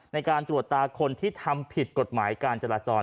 ในการตรวจตาคนที่ทำผิดกฎหมายการจราจร